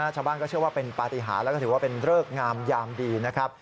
ชาวบ้านก็เชื่อว่าเป็นปฏิหารแล้วก็ถือว่าเป็นเริกงามยามดีนะครับ